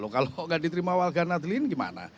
kalau nggak diterima warga nadlin gimana